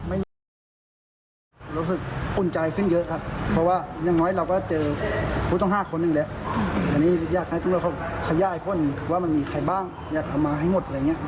อันนี้อยากให้ตำรวจขยายผลว่ามันมีใครบ้างอยากเอามาให้หมด